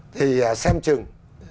thì xem chừng